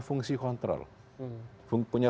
fungsi kontrol punya